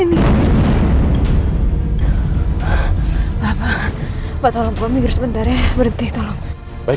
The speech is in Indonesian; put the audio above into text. bapak tolong saya berhenti berhenti sebentar ya